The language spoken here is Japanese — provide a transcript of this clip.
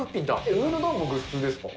上の段もグッズですか？